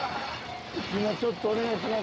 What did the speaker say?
今ちょっとお願いします。